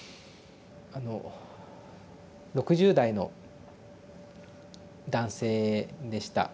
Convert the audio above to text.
あの６０代の男性でした。